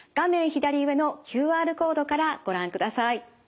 左上のＱＲコードからご覧ください。